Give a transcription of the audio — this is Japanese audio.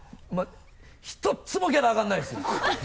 ひとつもギャラ上がらないですよ